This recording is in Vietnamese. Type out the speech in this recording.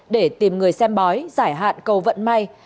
để tìm người xem bói giải hạn cầu vận may